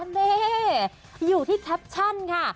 นี่อยู่ที่แคปชั่นค่ะ